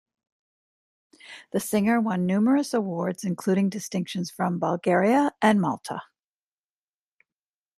The singer won numerous awards, including distinctions from Bulgaria and Malta.